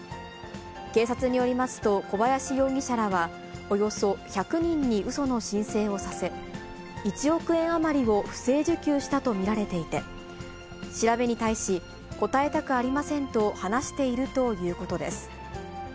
警察によりますと、小林容疑者らは、およそ１００人にうその申請をさせ、１億円余りを不正受給したと見られていて、調べに対し、答えたくありませんと、話しているということです。